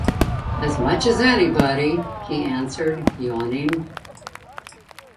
"As much as anybody," he answered, yawning.